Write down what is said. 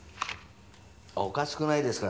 おかしくないですか